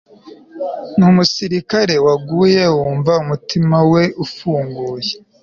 Numusirikare waguye wumva umutima we ufunguye